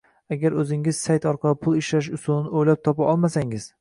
Agar o’zingiz sayt orqali pul ishlash usulini o’ylab topa olmasangiz